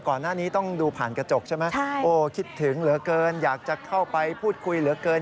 ก่อนหน้านี้ต้องดูผ่านกระจกใช่ไหมโอ้คิดถึงเหลือเกินอยากจะเข้าไปพูดคุยเหลือเกิน